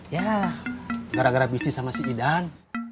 ya gara gara bisnis sama si idan